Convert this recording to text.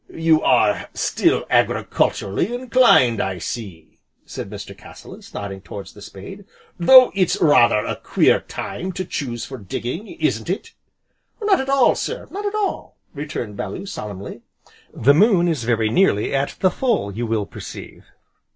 "You are still agriculturally inclined, I see," said Mr. Cassilis, nodding towards the spade, "though it's rather a queer time to choose for digging, isn't it?" "Not at all, sir not at all," returned Bellew solemnly, "the moon is very nearly at the full, you will perceive."